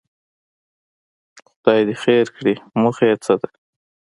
خدای خیر کړي، موخه یې څه ده.